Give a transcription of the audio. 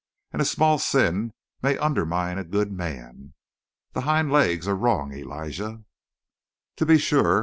And a small sin may undermine a good man. The hind legs are wrong, Elijah." "To be sure.